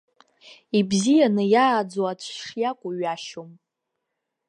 Ибзианы иааӡоу аӡә шиакәу ҩашьом.